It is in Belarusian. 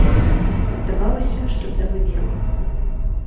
Здавалася, што цэлы век.